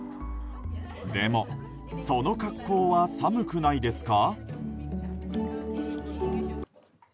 でも、その格好は寒くないですか？